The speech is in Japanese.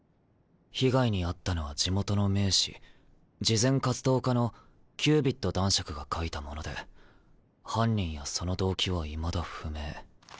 被害に遭ったのは地元の名士慈善活動家のキュービッド男爵が描いたもので犯人やその動機はいまだ不明」。